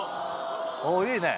おいいね。